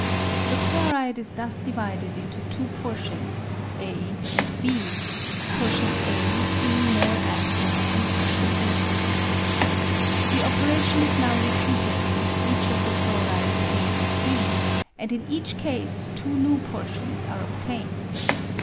The chloride is thus divided into two portions, A and B — portion A being more adtive than portion B. The operation is now repeated with each of the chlorides A and 13, and in each case two new portions are obtained.